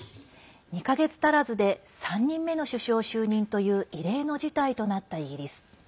２か月足らずで３人目の首相就任という異例の事態となったイギリス。